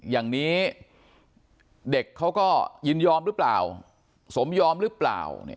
อย่างนี้เด็กเขาก็ยินยอมหรือเปล่าสมยอมหรือเปล่า